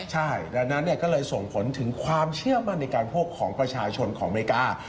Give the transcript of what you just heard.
ใช่ดังนั้นก็เลยส่งผลถึงความเชื่อมั่นในการโภคของประชาชนของอเมริกา